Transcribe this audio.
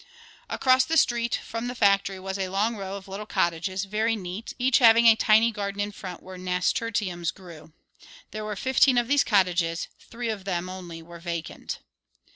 Across the street from the factory was a long row of little cottages, very neat, each having a tiny garden in front where nasturtiums grew. There were fifteen of these cottages; three of them only were vacant.